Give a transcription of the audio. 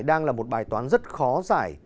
đang là một bài toán rất khó giải